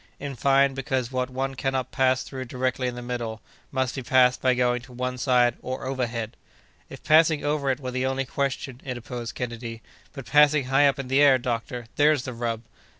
In fine, because what one cannot pass through directly in the middle, must be passed by going to one side or overhead!" "If passing over it were the only question!" interposed Kennedy; "but passing high up in the air, doctor, there's the rub!"